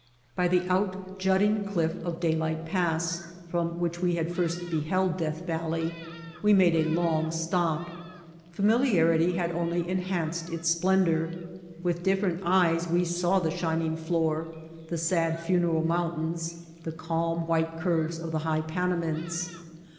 By the out jutting cliff of Daylight Pass, from which we had first beheld Death Valley, we made a long stop. Familiarity had only en hanced its splendor. With different eyes we saw the shining floor, the sad Funeral Mountains, the calm, white curves of the high Panamints.